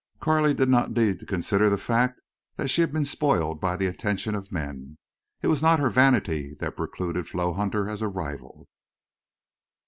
Carley did not need to consider the fact that she had been spoiled by the attention of men. It was not her vanity that precluded Flo Hutter as a rival.